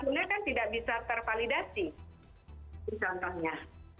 hasilnya kan tidak bisa tervalidasi misalnya